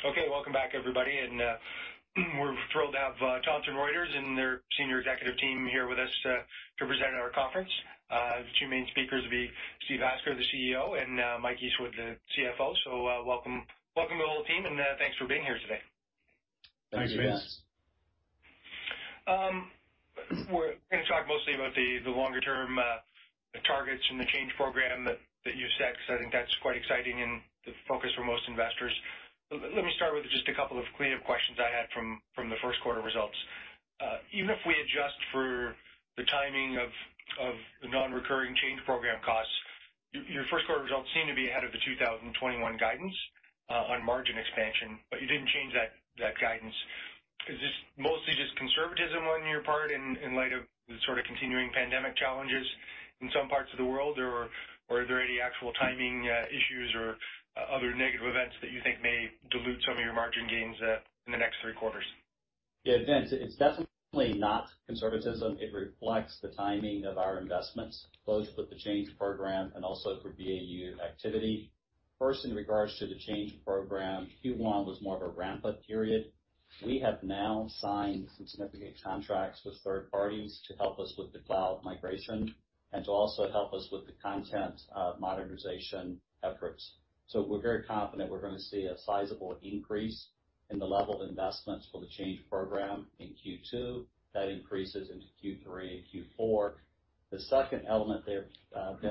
Okay, welcome back, everybody. And we're thrilled to have Thomson Reuters and their senior executive team here with us to present at our conference. The two main speakers will be Steve Hasker, the CEO, and Mike Eastwood, the CFO. So welcome to the whole team, and thanks for being here today. Thanks, guys. We're going to talk mostly about the longer-term targets and the change program that you've set, because I think that's quite exciting and the focus for most investors. Let me start with just a couple of clean-up questions I had from the first quarter results. Even if we adjust for the timing of the non-recurring change program costs, your first quarter results seem to be ahead of the 2021 guidance on margin expansion, but you didn't change that guidance. Is this mostly just conservatism on your part in light of the sort of continuing pandemic challenges in some parts of the world, or are there any actual timing issues or other negative events that you think may dilute some of your margin gains in the next three quarters? Yeah, it's definitely not conservatism. It reflects the timing of our investments, both with the change program and also for BAU activity. First, in regards to the change program, Q1 was more of a ramp-up period. We have now signed some significant contracts with third parties to help us with the cloud migration and to also help us with the content modernization efforts. So we're very confident we're going to see a sizable increase in the level of investments for the change program in Q2. That increases into Q3 and Q4. The second element there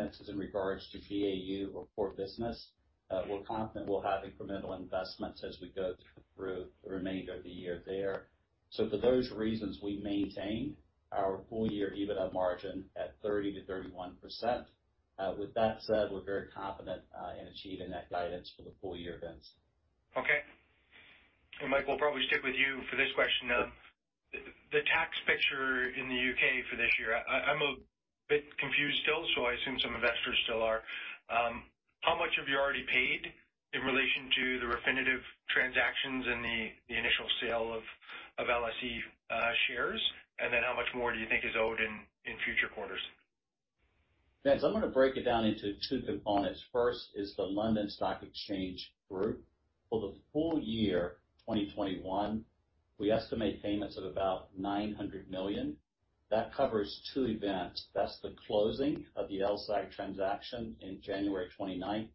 is in regards to BAU or core business. We're confident we'll have incremental investments as we go through the remainder of the year there. So for those reasons, we maintained our full-year EBITDA margin at 30%-31%. With that said, we're very confident in achieving that guidance for the full-year events. Okay, and Mike, we'll probably stick with you for this question. The tax picture in the U.K. for this year, I'm a bit confused still, so I assume some investors still are. How much have you already paid in relation to the Refinitiv transactions and the initial sale of LSE shares? And then how much more do you think is owed in future quarters? Thanks. I'm going to break it down into two components. First is the London Stock Exchange Group. For the full year 2021, we estimate payments of about $900 million. That covers two events. That's the closing of the LSEG transaction in January 29th,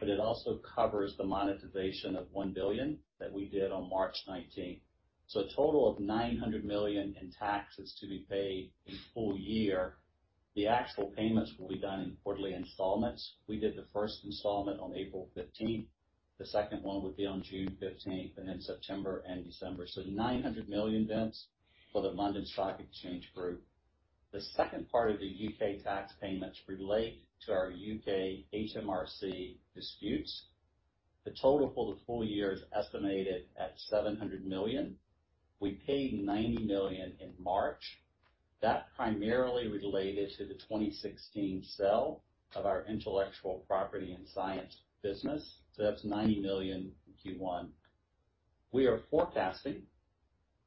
but it also covers the monetization of $1 billion that we did on March 19th. So a total of $900 million in taxes to be paid in full year. The actual payments will be done in quarterly installments. We did the first installment on April 15th. The second one would be on June 15th, and then September and December. So $900 million events for the London Stock Exchange Group. The second part of the U.K. tax payments relate to our U.K. HMRC disputes. The total for the full year is estimated at $700 million. We paid $90 million in March. That primarily related to the 2016 sale of our intellectual property and science business. So that's $90 million in Q1. We are forecasting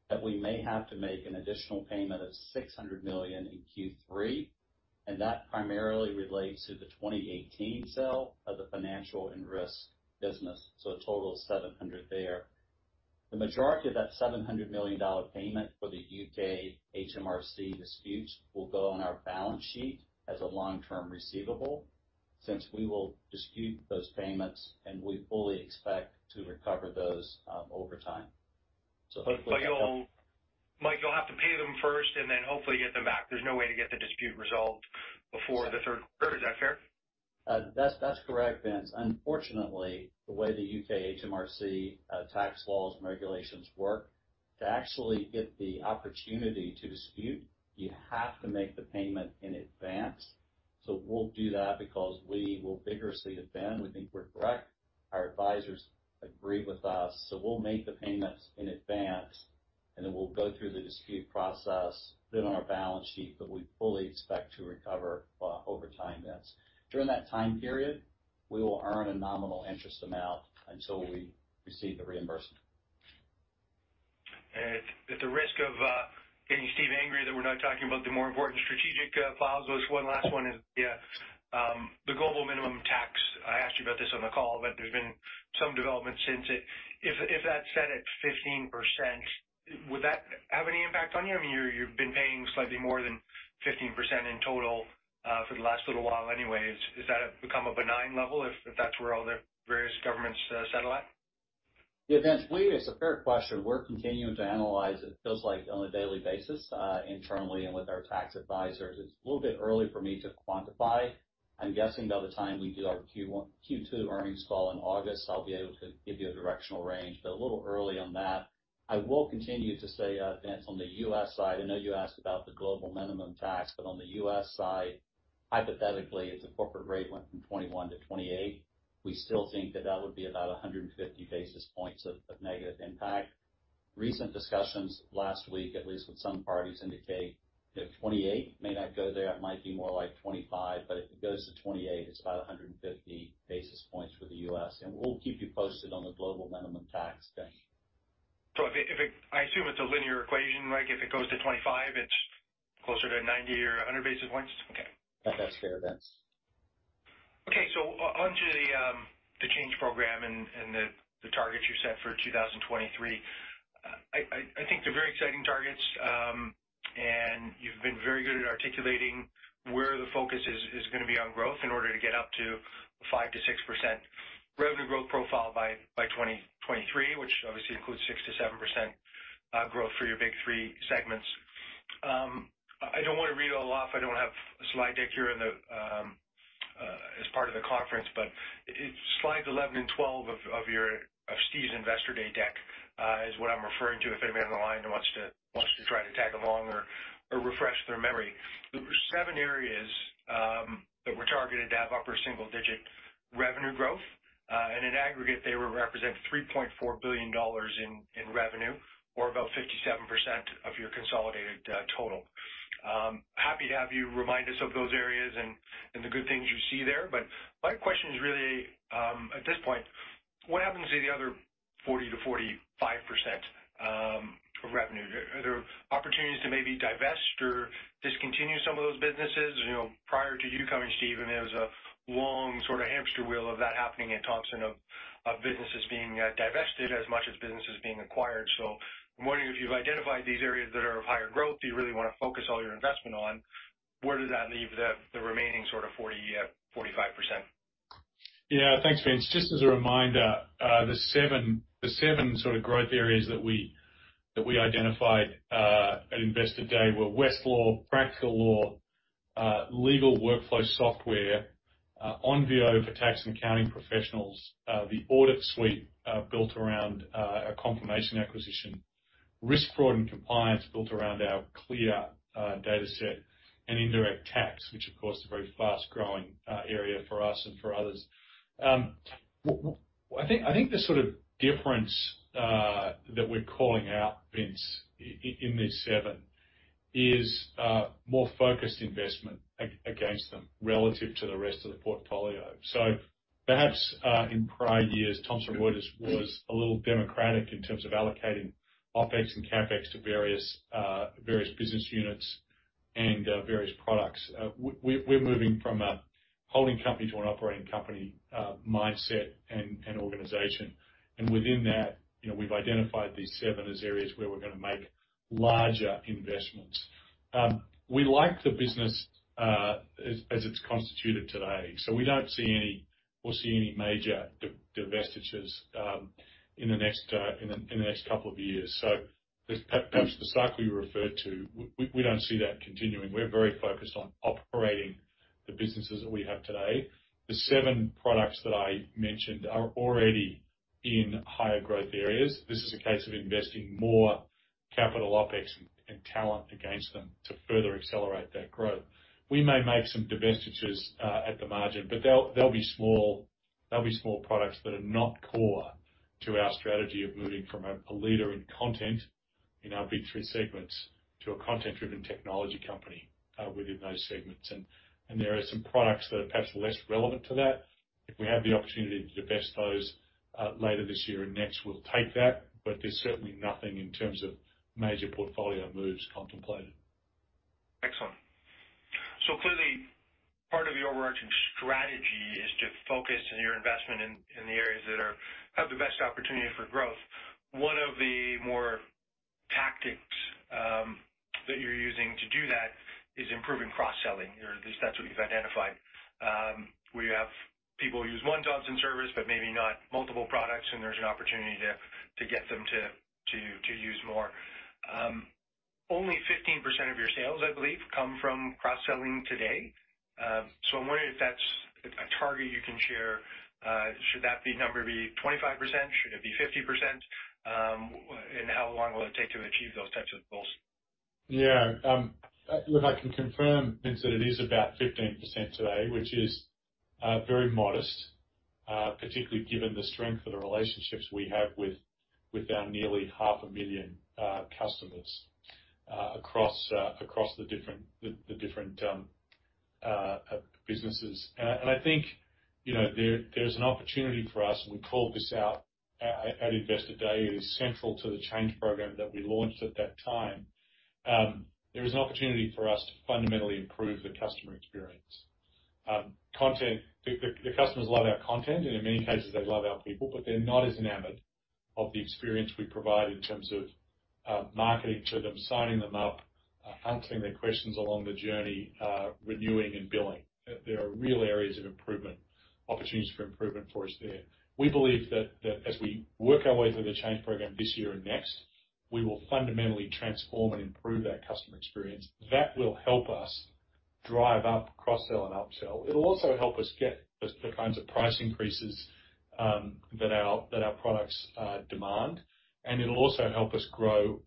that we may have to make an additional payment of $600 million in Q3, and that primarily relates to the 2018 sale of the financial and risk business. So a total of $700 million there. The majority of that $700 million payment for the U.K. HMRC disputes will go on our balance sheet as a long-term receivable since we will dispute those payments, and we fully expect to recover those over time. So hopefully. But you'll have to pay them first and then hopefully get them back. There's no way to get the dispute resolved before the third quarter. Is that fair? That's correct, Vince. Unfortunately, the way the U.K. HMRC tax laws and regulations work, to actually get the opportunity to dispute, you have to make the payment in advance. So we'll do that because we will vigorously defend. We think we're correct. Our advisors agree with us. So we'll make the payments in advance, and then we'll go through the dispute process, put it on our balance sheet, but we fully expect to recover over time. During that time period, we will earn a nominal interest amount until we receive the reimbursement. At the risk of getting Steve angry that we're not talking about the more important strategic files, this one last one is the global minimum tax. I asked you about this on the call, but there's been some development since it. If that's set at 15%, would that have any impact on you? I mean, you've been paying slightly more than 15% in total for the last little while anyway. Has that become a benign level if that's where all the various governments settle at? Yeah, Vince, it's a fair question. We're continuing to analyze it. It feels like on a daily basis internally and with our tax advisors. It's a little bit early for me to quantify. I'm guessing by the time we do our Q2 earnings call in August, I'll be able to give you a directional range, but a little early on that. I will continue to say, Vince, on the U.S. side, I know you asked about the global minimum tax, but on the U.S. side, hypothetically, if the corporate rate went from 21-28, we still think that that would be about 150 basis points of negative impact. Recent discussions last week, at least with some parties, indicate 28 may not go there. It might be more like 25, but if it goes to 28, it's about 150 basis points for the U.S. We'll keep you posted on the global minimum tax thing. So I assume it's a linear equation, Mike. If it goes to 25, it's closer to 90 or 100 basis points? Okay. That's fair, Vince. Okay. So onto the change program and the targets you set for 2023. I think they're very exciting targets, and you've been very good at articulating where the focus is going to be on growth in order to get up to a 5%-6% revenue growth profile by 2023, which obviously includes 6%-7% growth for your big three segments. I don't want to read it all off. I don't have a slide deck here as part of the conference, but slides 11 and 12 of Steve's Investor Day deck is what I'm referring to if anybody on the line wants to try to tag along or refresh their memory. There were seven areas that were targeted to have upper single-digit revenue growth. And in aggregate, they represent $3.4 billion in revenue, or about 57% of your consolidated total. Happy to have you remind us of those areas and the good things you see there. But my question is really, at this point, what happens to the other 40%-45% of revenue? Are there opportunities to maybe divest or discontinue some of those businesses? Prior to you coming, Steve, I mean, there was a long sort of hamster wheel of that happening at Thomson of businesses being divested as much as businesses being acquired. So I'm wondering if you've identified these areas that are of higher growth that you really want to focus all your investment on, where does that leave the remaining sort of 40%-45%? Yeah, thanks, Vince. Just as a reminder, the seven sort of growth areas that we identified at Investor Day were Westlaw, Practical Law, Legal Workflow Software, Onvio for tax and accounting professionals, the audit suite built around a Confirmation acquisition, Risk Fraud and Compliance built around our CLEAR data set, and Indirect Tax, which, of course, is a very fast-growing area for us and for others. I think the sort of difference that we're calling out, Vince, in these seven is more focused investment against them relative to the rest of the portfolio. So perhaps in prior years, Thomson Reuters was a little democratic in terms of allocating OpEx and CapEx to various business units and various products. We're moving from a holding company to an operating company mindset and organization. And within that, we've identified these seven as areas where we're going to make larger investments. We like the business as it's constituted today. So we don't see any major divestitures in the next couple of years. So perhaps the cycle you referred to, we don't see that continuing. We're very focused on operating the businesses that we have today. The seven products that I mentioned are already in higher growth areas. This is a case of investing more capital, OpEx, and talent against them to further accelerate that growth. We may make some divestitures at the margin, but they'll be small products that are not core to our strategy of moving from a leader in content in our big three segments to a content-driven technology company within those segments. And there are some products that are perhaps less relevant to that. If we have the opportunity to divest those later this year and next, we'll take that. But there's certainly nothing in terms of major portfolio moves contemplated. Excellent. So clearly, part of the overarching strategy is to focus your investment in the areas that have the best opportunity for growth. One of the more tactics that you're using to do that is improving cross-selling, or at least that's what you've identified, where you have people use one Thomson service, but maybe not multiple products, and there's an opportunity to get them to use more. Only 15% of your sales, I believe, come from cross-selling today. So I'm wondering if that's a target you can share. Should that number be 25%? Should it be 50%? And how long will it take to achieve those types of goals? Yeah. Look, I can confirm, Vince, that it is about 15% today, which is very modest, particularly given the strength of the relationships we have with our nearly 500,000 customers across the different businesses, and I think there's an opportunity for us, and we called this out at Investor Day. It is central to the change program that we launched at that time. There is an opportunity for us to fundamentally improve the customer experience. The customers love our content, and in many cases, they love our people, but they're not as enamored of the experience we provide in terms of marketing to them, signing them up, answering their questions along the journey, renewing, and billing. There are real areas of improvement, opportunities for improvement for us there. We believe that as we work our way through the change program this year and next, we will fundamentally transform and improve that customer experience. That will help us drive up cross-sell and upsell. It'll also help us get the kinds of price increases that our products demand. And it'll also help us grow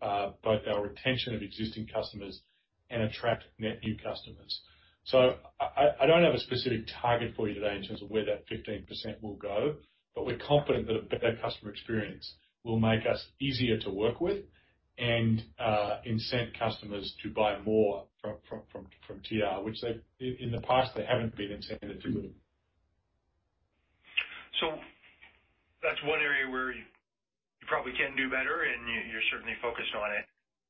both our retention of existing customers and attract net new customers. So I don't have a specific target for you today in terms of where that 15% will go, but we're confident that a better customer experience will make us easier to work with and incent customers to buy more from TR, which in the past, they haven't been incented to do. So that's one area where you probably can do better, and you're certainly focused on it.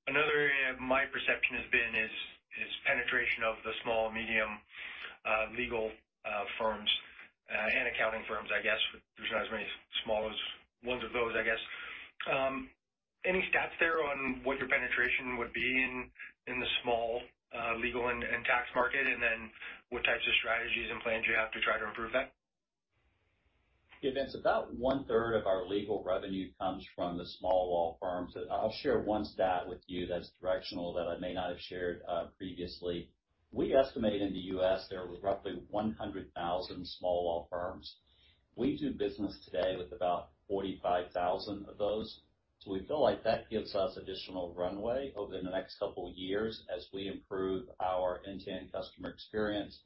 Another area, my perception has been, is penetration of the small and medium legal firms and accounting firms, I guess. There's not as many small ones of those, I guess. Any stats there on what your penetration would be in the small legal and tax market, and then what types of strategies and plans you have to try to improve that? Yeah, Vince, about one-third of our legal revenue comes from the small law firms. I'll share one stat with you that's directional that I may not have shared previously. We estimate in the U.S. there were roughly 100,000 small law firms. We do business today with about 45,000 of those. So we feel like that gives us additional runway over the next couple of years as we improve our end-to-end customer experience,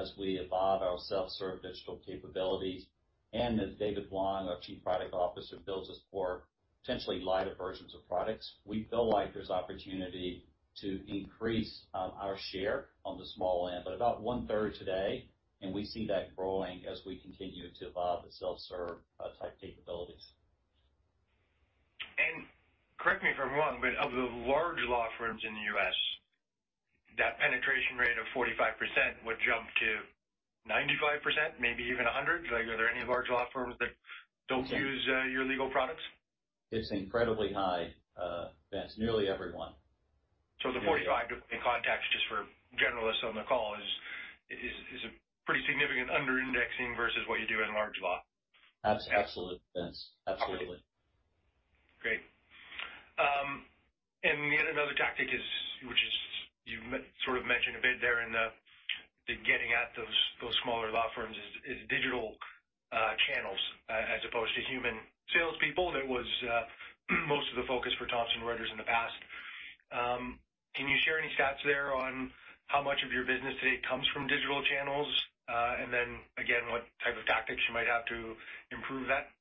as we evolve our self-serve digital capabilities, and as David Wong, our Chief Product Officer, builds us more potentially lighter versions of products. We feel like there's opportunity to increase our share on the small end, but about one-third today, and we see that growing as we continue to evolve the self-serve type capabilities. Correct me if I'm wrong, but of the large law firms in the U.S., that penetration rate of 45% would jump to 95%, maybe even 100%? Are there any large law firms that don't use your legal products? It's incredibly high, Vince. Nearly everyone. So the 45-40 context, just for generalists on the call, is a pretty significant under-indexing versus what you do in large law. Absolutely, Vince. Absolutely. Great. And yet another tactic, which you sort of mentioned a bit there in the getting at those smaller law firms, is digital channels as opposed to human salespeople. That was most of the focus for Thomson Reuters in the past. Can you share any stats there on how much of your business today comes from digital channels? And then again, what type of tactics you might have to improve that?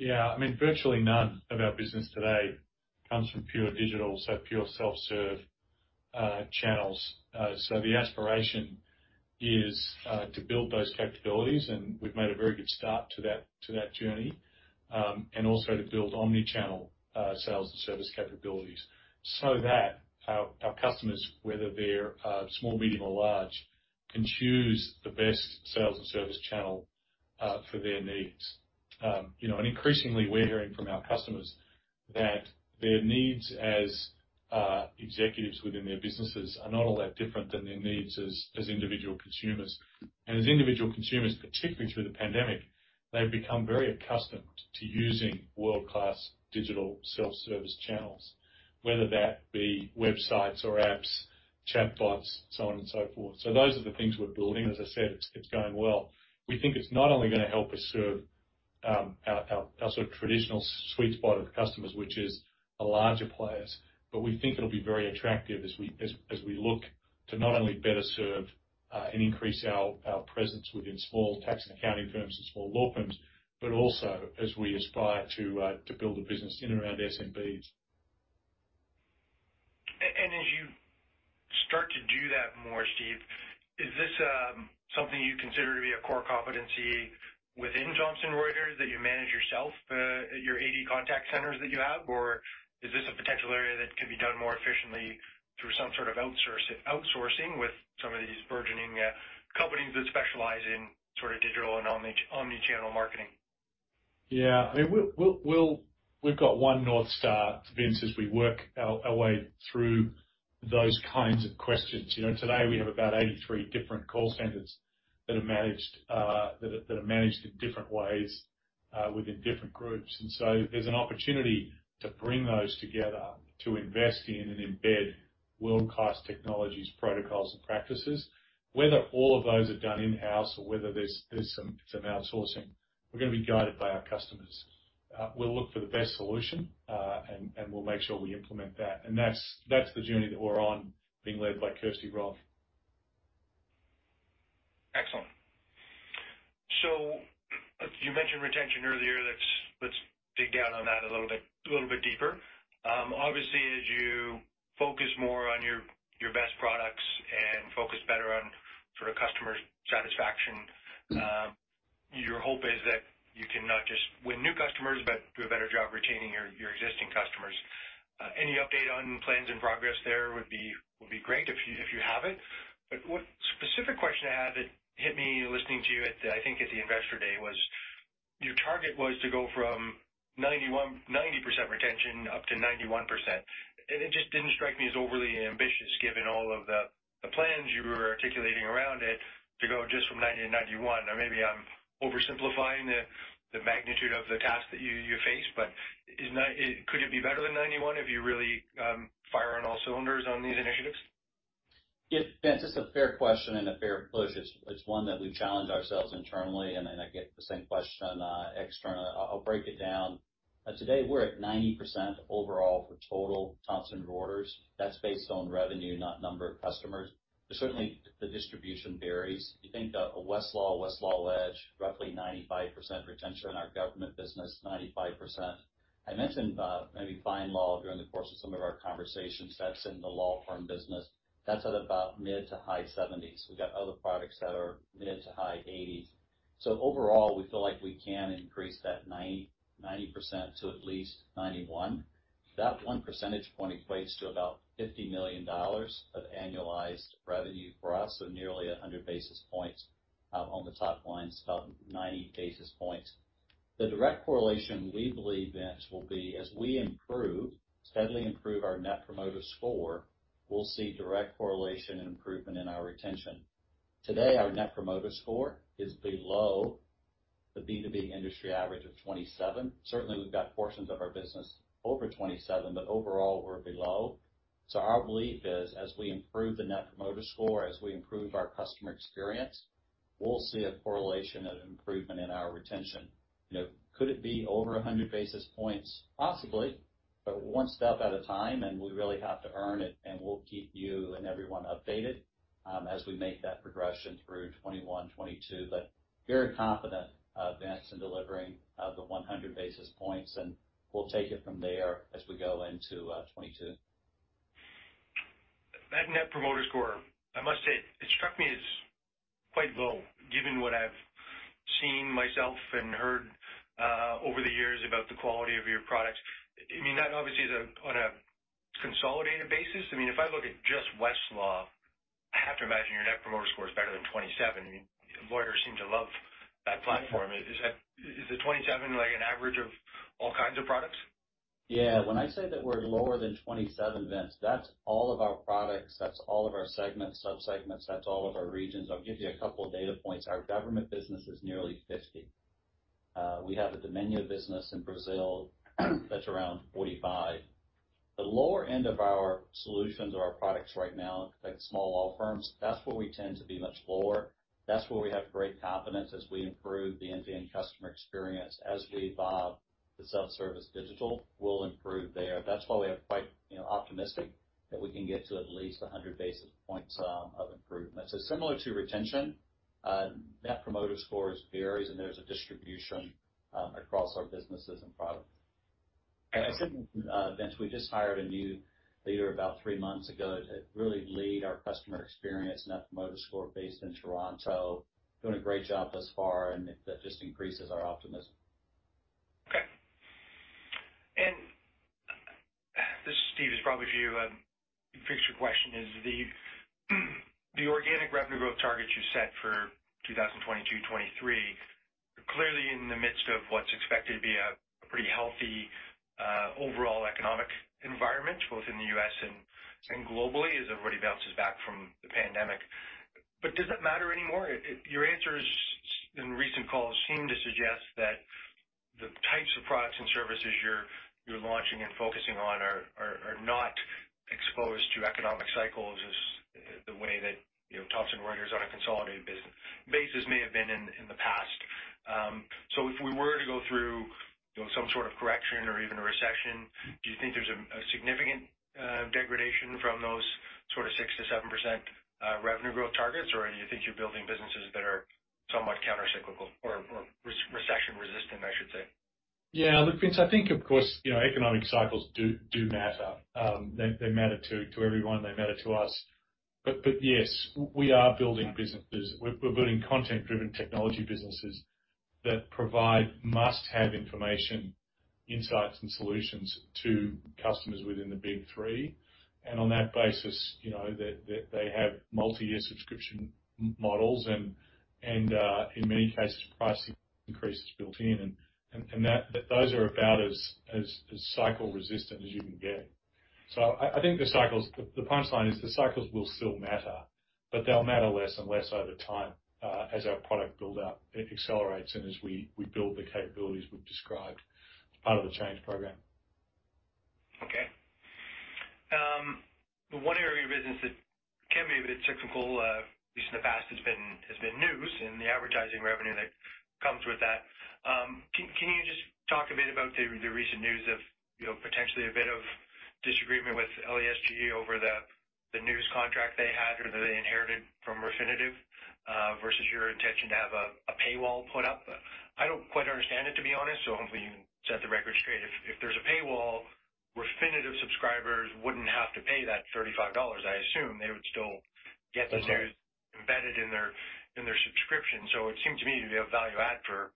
Yeah. I mean, virtually none of our business today comes from pure digital, so pure self-serve channels, so the aspiration is to build those capabilities, and we've made a very good start to that journey, and also to build omnichannel sales and service capabilities so that our customers, whether they're small, medium, or large, can choose the best sales and service channel for their needs, and increasingly, we're hearing from our customers that their needs as executives within their businesses are not all that different than their needs as individual consumers, and as individual consumers, particularly through the pandemic, they've become very accustomed to using world-class digital self-service channels, whether that be websites or apps, chatbots, so on and so forth, so those are the things we're building. As I said, it's going well. We think it's not only going to help us serve our sort of traditional sweet spot of customers, which is our larger players, but we think it'll be very attractive as we look to not only better serve and increase our presence within small tax and accounting firms and small law firms, but also as we aspire to build a business in and around SMBs. And as you start to do that more, Steve, is this something you consider to be a core competency within Thomson Reuters that you manage yourself at your 80 contact centers that you have, or is this a potential area that could be done more efficiently through some sort of outsourcing with some of these burgeoning companies that specialize in sort of digital and omnichannel marketing? Yeah. I mean, we've got one North Star, Vince, as we work our way through those kinds of questions. Today, we have about 83 different call centers that are managed in different ways within different groups. And so there's an opportunity to bring those together to invest in and embed world-class technologies, protocols, and practices. Whether all of those are done in-house or whether there's some outsourcing, we're going to be guided by our customers. We'll look for the best solution, and we'll make sure we implement that. And that's the journey that we're on, being led by Kirsty Roth. Excellent. So you mentioned retention earlier. Let's dig down on that a little bit deeper. Obviously, as you focus more on your best products and focus better on sort of customer satisfaction, your hope is that you can not just win new customers, but do a better job retaining your existing customers. Any update on plans and progress there would be great if you have it. But what specific question I had that hit me listening to you, I think, at the Investor Day was your target was to go from 90% retention up to 91%. And it just didn't strike me as overly ambitious, given all of the plans you were articulating around it, to go just from 90-91. Or maybe I'm oversimplifying the magnitude of the tasks that you face, but could it be better than 91 if you really fire on all cylinders on these initiatives? Yeah, Vince, it's a fair question and a fair push. It's one that we challenge ourselves internally. And then I get the same question externally. I'll break it down. Today, we're at 90% overall for total Thomson Reuters. That's based on revenue, not number of customers. But certainly, the distribution varies. You think a Westlaw, Westlaw Edge, roughly 95% retention in our government business, 95%. I mentioned maybe FindLaw during the course of some of our conversations. That's in the law firm business. That's at about mid- to high-70s%. We've got other products that are mid- to high-80s%. So overall, we feel like we can increase that 90% to at least 91%. That one percentage point equates to about $50 million of annualized revenue for us, so nearly 100 basis points on the top line, so about 90 basis points. The direct correlation we believe, Vince, will be as we steadily improve our Net Promoter Score, we'll see direct correlation and improvement in our retention. Today, our Net Promoter Score is below the B2B industry average of 27. Certainly, we've got portions of our business over 27, but overall, we're below, so our belief is, as we improve the Net Promoter Score, as we improve our customer experience, we'll see a correlation and improvement in our retention. Could it be over 100 basis points? Possibly, but one step at a time, and we really have to earn it, and we'll keep you and everyone updated as we make that progression through 2021, 2022, but very confident, Vince, in delivering the 100 basis points, and we'll take it from there as we go into 2022. That net promoter score, I must say, it struck me as quite low, given what I've seen myself and heard over the years about the quality of your products. I mean, that obviously is on a consolidated basis. I mean, if I look at just Westlaw, I have to imagine your net promoter score is better than 27. I mean, lawyers seem to love that platform. Is the 27 an average of all kinds of products? Yeah. When I say that we're lower than 27, Vince, that's all of our products. That's all of our segments, subsegments. That's all of our regions. I'll give you a couple of data points. Our government business is nearly 50. We have a Domínio business in Brazil that's around 45. The lower end of our solutions or our products right now, like small law firms, that's where we tend to be much lower. That's where we have great confidence as we improve the end-to-end customer experience. As we evolve, the self-service digital will improve there. That's why we have quite optimistic that we can get to at least 100 basis points of improvement. So similar to retention, net promoter scores varies, and there's a distribution across our businesses and products. I said, Vince, we just hired a new leader about three months ago to really lead our customer experience and that promoter score based in Toronto. Doing a great job thus far, and that just increases our optimism. Okay. And this, Steve, is probably for you to fix your question, is the organic revenue growth target you set for 2022, 2023, clearly in the midst of what's expected to be a pretty healthy overall economic environment, both in the U.S. and globally, as everybody bounces back from the pandemic. But does that matter anymore? Your answers in recent calls seem to suggest that the types of products and services you're launching and focusing on are not exposed to economic cycles the way that Thomson Reuters on a consolidated basis may have been in the past. So if we were to go through some sort of correction or even a recession, do you think there's a significant degradation from those sort of 6%-7% revenue growth targets, or do you think you're building businesses that are somewhat countercyclical or recession-resistant, I should say? Yeah. Look, Vince, I think, of course, economic cycles do matter. They matter to everyone. They matter to us. But yes, we are building businesses. We're building content-driven technology businesses that provide must-have information, insights, and solutions to customers within the big three. And on that basis, they have multi-year subscription models, and in many cases, price increase is built in. And those are about as cycle-resistant as you can get. So I think the punchline is the cycles will still matter, but they'll matter less and less over time as our product build-up accelerates and as we build the capabilities we've described as part of the change program. Okay. One area of your business that can be a bit cyclical, at least in the past, has been news and the advertising revenue that comes with that. Can you just talk a bit about the recent news of potentially a bit of disagreement with LSEG over the news contract they had or that they inherited from Refinitiv versus your intention to have a paywall put up? I don't quite understand it, to be honest, so hopefully you can set the record straight. If there's a paywall, Refinitiv subscribers wouldn't have to pay that $35, I assume. They would still get the news embedded in their subscription. So it seemed to me to be a value-add for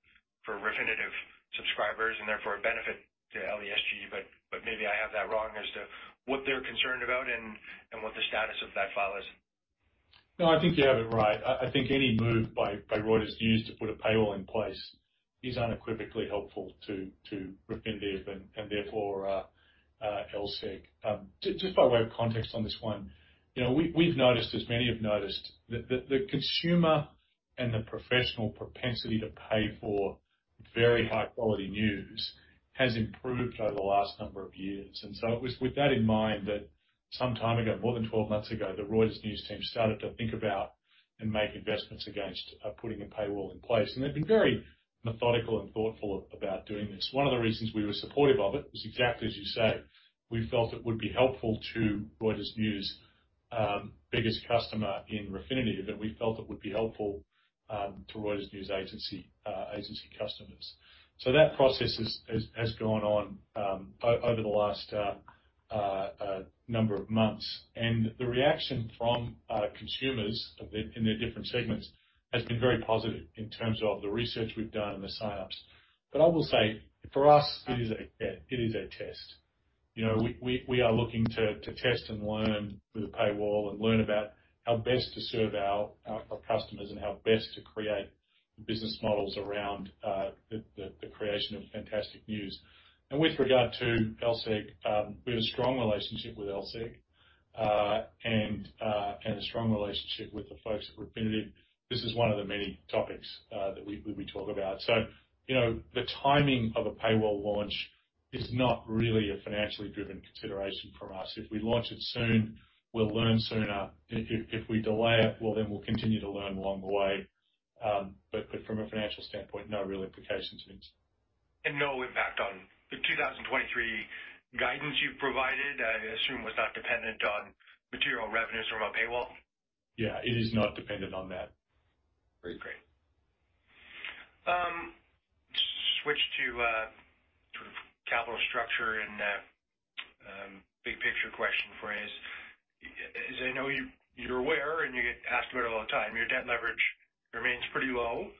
Refinitiv subscribers and therefore a benefit to LSEG, but maybe I have that wrong as to what they're concerned about and what the status of that deal is. No, I think you have it right. I think any move by Reuters to use to put a paywall in place is unequivocally helpful to Refinitiv and therefore LSEG. Just by way of context on this one, we've noticed, as many have noticed, that the consumer and the professional propensity to pay for very high-quality news has improved over the last number of years. And so it was with that in mind that some time ago, more than 12 months ago, the Reuters News team started to think about and make investments against putting a paywall in place. And they've been very methodical and thoughtful about doing this. One of the reasons we were supportive of it was exactly as you say. We felt it would be helpful to Reuters News' biggest customer in Refinitiv, and we felt it would be helpful to Reuters News agency customers. That process has gone on over the last number of months. And the reaction from consumers in their different segments has been very positive in terms of the research we've done and the sign-ups. But I will say, for us, it is a test. We are looking to test and learn with a paywall and learn about how best to serve our customers and how best to create business models around the creation of fantastic news. And with regard to LSEG, we have a strong relationship with LSEG and a strong relationship with the folks at Refinitiv. This is one of the many topics that we talk about. So the timing of a paywall launch is not really a financially driven consideration for us. If we launch it soon, we'll learn sooner. If we delay it, well, then we'll continue to learn along the way. But from a financial standpoint, no real implications, Vince. No impact on the 2023 guidance you've provided, I assume, was not dependent on material revenues from a paywall? Yeah, it is not dependent on that. Very great. Switch to sort of capital structure and big picture question for. As I know you're aware and you get asked about it all the time, your debt leverage remains pretty low,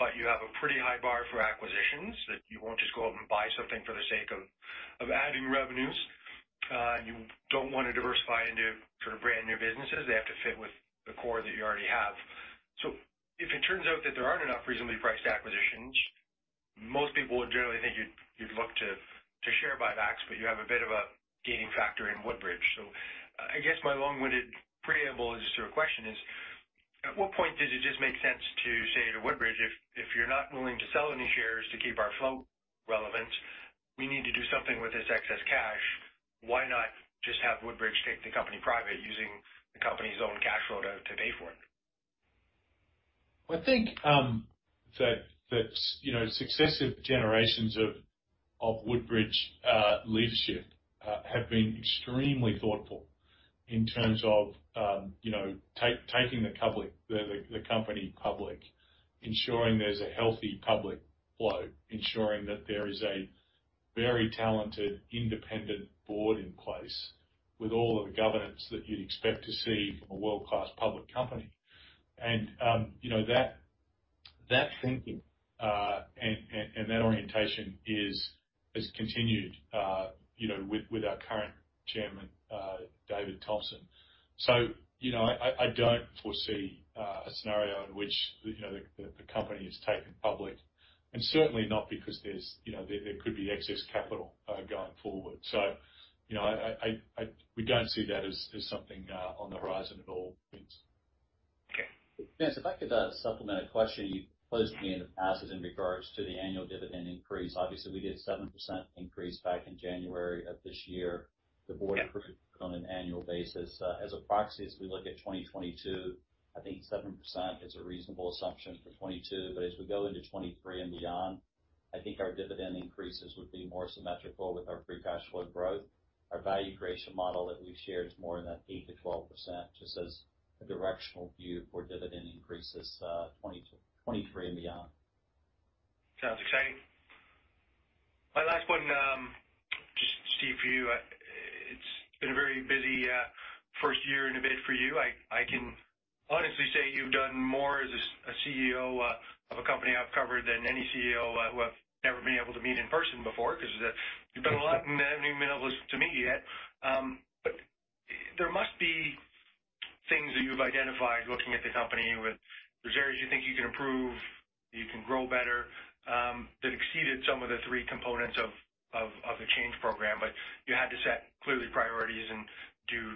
but you have a pretty high bar for acquisitions that you won't just go out and buy something for the sake of adding revenues. You don't want to diversify into sort of brand new businesses. They have to fit with the core that you already have. So if it turns out that there aren't enough reasonably priced acquisitions, most people would generally think you'd look to share buybacks, but you have a bit of a gating factor in Woodbridge. So I guess my long-winded preamble to your question is, at what point does it just make sense to say to Woodbridge, "If you're not willing to sell any shares to keep our flow relevant, we need to do something with this excess cash, why not just have Woodbridge take the company private using the company's own cash flow to pay for it? I think that successive generations of Woodbridge leadership have been extremely thoughtful in terms of taking the company public, ensuring there's a healthy public float, ensuring that there is a very talented, independent board in place with all of the governance that you'd expect to see from a world-class public company. And that thinking and that orientation has continued with our current chairman, David Thomson. So I don't foresee a scenario in which the company has been taken public, and certainly not because there could be excess capital going forward. So we don't see that as something on the horizon at all, Vince. Vince, if I could supplement a question you posed to me in the past is in regards to the annual dividend increase. Obviously, we did a 7% increase back in January of this year. The board approved on an annual basis. As a proxy, as we look at 2022, I think 7% is a reasonable assumption for 2022. But as we go into 2023 and beyond, I think our dividend increases would be more symmetrical with our free cash flow growth. Our value creation model that we've shared is more than 8%-12%, just as a directional view for dividend increases 2023 and beyond. Sounds exciting. My last one, just, Steve, for you. It's been a very busy first year and a bit for you. I can honestly say you've done more as a CEO of a company I've covered than any CEO who I've never been able to meet in person before because you've done a lot and haven't even been able to meet yet. But there must be things that you've identified looking at the company where there's areas you think you can improve, you can grow better, that exceeded some of the three components of the change program, but you had to set clearly priorities and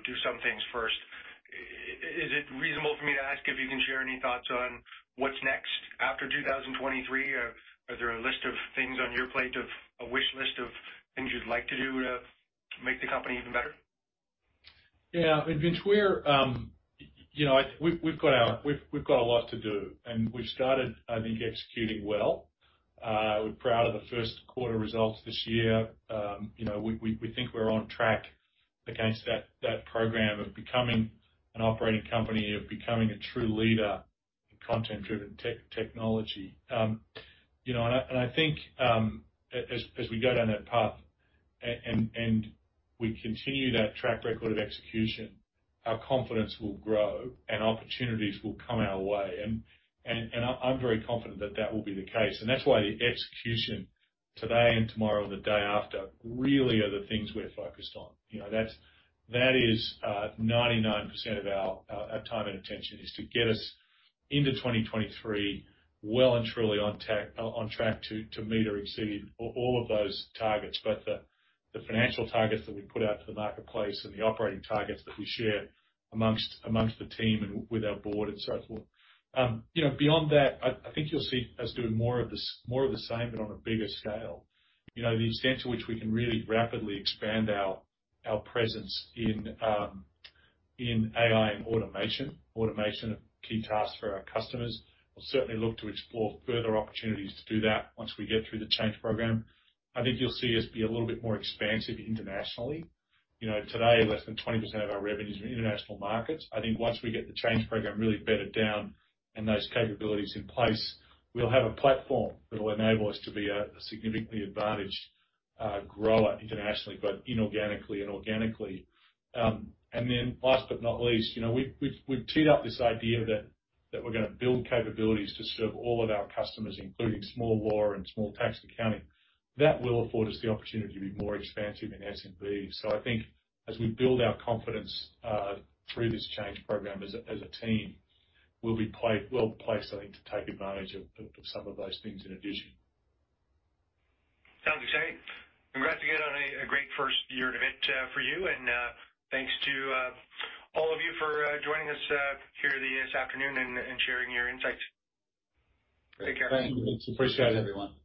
do some things first. Is it reasonable for me to ask if you can share any thoughts on what's next after 2023? Are there a list of things on your plate of a wish list of things you'd like to do to make the company even better? Yeah. Vince, we've got a lot to do, and we've started, I think, executing well. We're proud of the first quarter results this year. We think we're on track against that program of becoming an operating company, of becoming a true leader in content-driven technology. And I think as we go down that path and we continue that track record of execution, our confidence will grow and opportunities will come our way. And I'm very confident that that will be the case. And that's why the execution today and tomorrow and the day after really are the things we're focused on. That is 99% of our time and attention is to get us into 2023 well and truly on track to meet or exceed all of those targets, both the financial targets that we put out to the marketplace and the operating targets that we share among the team and with our board and so forth. Beyond that, I think you'll see us doing more of the same, but on a bigger scale. The extent to which we can really rapidly expand our presence in AI and automation, automation of key tasks for our customers. We'll certainly look to explore further opportunities to do that once we get through the change program. I think you'll see us be a little bit more expansive internationally. Today, less than 20% of our revenues are international markets. I think once we get the change program really bedded down and those capabilities in place, we'll have a platform that will enable us to be a significantly advantaged grower internationally, both inorganically and organically, and then last but not least, we've teed up this idea that we're going to build capabilities to serve all of our customers, including small law and small tax accounting. That will afford us the opportunity to be more expansive in SMB, so I think as we build our confidence through this change program as a team, we'll be well placed, I think, to take advantage of some of those things in addition. Sounds exciting. Congrats again on a great first year event for you. And thanks to all of you for joining us here this afternoon and sharing your insights. Take care. Thank you, Vince. Appreciate it, everyone.